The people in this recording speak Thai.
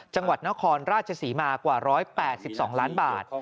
จังหวัดนครราชศรีมากว่า๑๘๒ล้านบาท